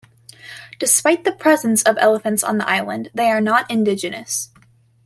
Despite the presence of elephants on the island, they are not indigenous.